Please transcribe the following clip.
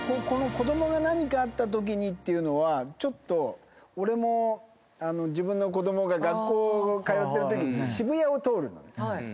この子供が何かあったときにっていうのは俺も自分の子供が学校通ってるときに渋谷を通るのね。